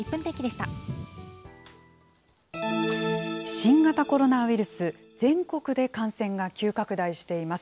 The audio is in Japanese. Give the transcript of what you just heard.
新型コロナウイルス、全国で感染が急拡大しています。